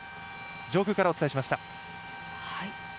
上空からお伝えしました。